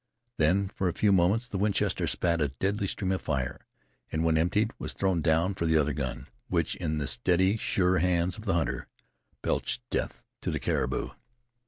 Then for a few moments the Winchester spat a deadly stream of fire, and when emptied was thrown down for the other gun, which in the steady, sure hands of the hunter belched death to the caribou.